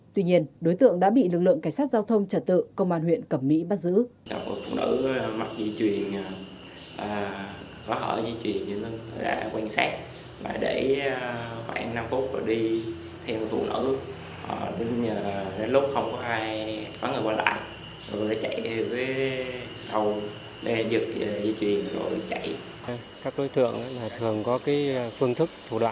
tuy nhiên đối tượng đã bị lực lượng cảnh sát giao thông trả tự công an huyện cẩm mỹ bắt giữ